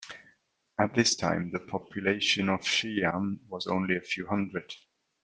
At this time, the population of Shiyan was only a few hundred.